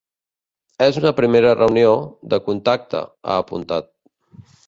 És una primera reunió, de contacte, ha apuntat.